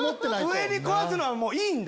上に壊すのはいいんだ。